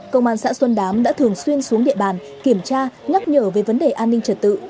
công an xã xuân đám đã thường xuyên xuống địa bàn kiểm tra nhắc nhở về vấn đề an ninh trật tự